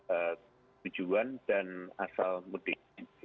tujuan dan asal mudik